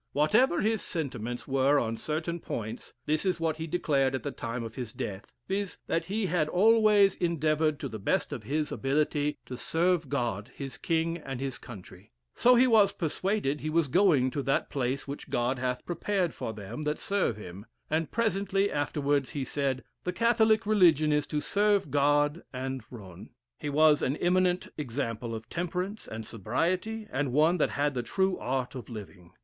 Whatever his sentiments were on certain points, this is what he declared at the time of his death viz., that he had always endeavored, to the best of his ability, to serve God, his king, and his country, so he was persuaded he was going to that place which God hath prepared for them that serve him, and presently afterwards he said, the Catholic religion is to serve God and roan. He was an eminent example of temperance and sobriety, and one that had the true art of living.